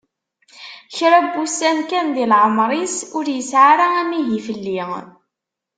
Kra n wussan kan di leɛmer-is ur yesɛi ara amihi fell-i.